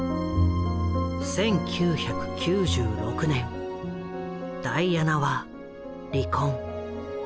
１９９６年ダイアナは離婚。